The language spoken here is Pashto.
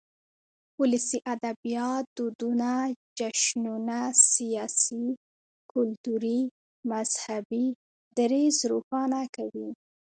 ولسي ادبيات دودنه، جشنونه ،سياسي، کلتوري ،مذهبي ، دريځ روښانه کوي.